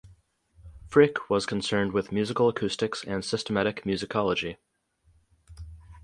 Fricke was concerned with musical acoustics and systematic musicology.